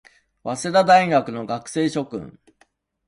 早稲田大学の学生諸君